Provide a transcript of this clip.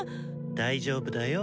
大丈夫だよ。